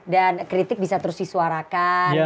dan kritik bisa terus disuarakan